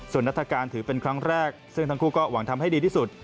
ส่วนนัฐกาลถือเป็นครั้งแรกซึ่งทั้งคู่ก็หวังทำให้ดีที่สุด